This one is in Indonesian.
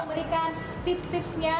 untuk memberikan tips tipsnya